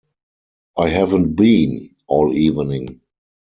I haven't been, all evening.